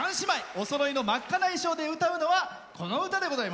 おそろいの真っ赤な衣装で歌うのは、この歌。